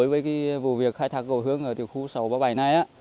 với cái vụ việc khai thác cầu hướng ở tiểu khu sáu trăm ba mươi bảy này